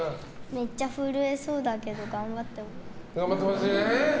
めっちゃ震えそうだけど頑張ってほしい。